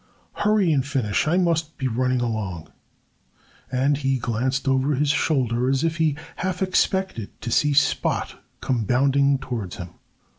"Hurry and finish! I must be running along." And he glanced over his shoulder as if he half expected to see Spot come bounding towards him.